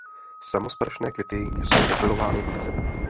Samosprašné květy jsou opylovány hmyzem.